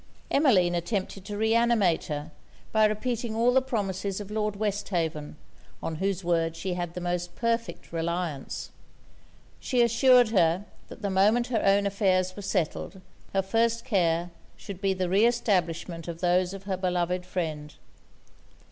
Emmeline attempted to re animate her, by repeating all the promises of Lord Westhaven, on whose word she had the most perfect reliance. She assured her, that the moment her own affairs were settled, her first care should be the re establishment of those of her beloved friend.